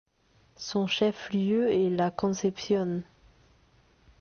Son chef-lieu est La Concepción.